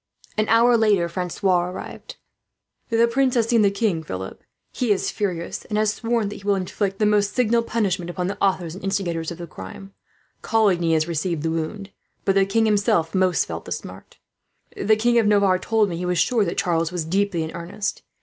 An hour later Francois arrived. "The prince has seen the king, Philip. He is furious, and has sworn that he will inflict the most signal punishment upon the authors and instigators of the crime: Coligny had received the wound, but he himself most felt the smart. The King of Navarre told me he was sure that Charles was deeply in earnest.